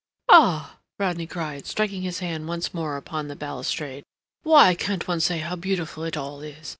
"Ah!" Rodney cried, striking his hand once more upon the balustrade, "why can't one say how beautiful it all is?